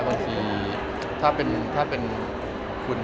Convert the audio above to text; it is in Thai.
บางทีถ้าเป็นถ้าเป็นคุณ